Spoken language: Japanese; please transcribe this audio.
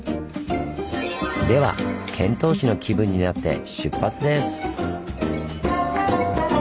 では遣唐使の気分になって出発です！